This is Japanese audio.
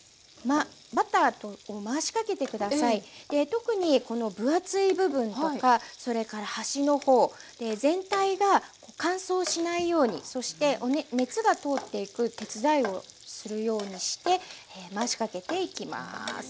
特にこの分厚い部分とかそれから端の方全体が乾燥しないようにそして熱が通っていく手伝いをするようにして回しかけていきます。